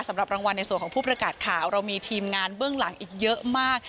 สำหรับรางวัลในส่วนของผู้ประกาศข่าวเรามีทีมงานเบื้องหลังอีกเยอะมาก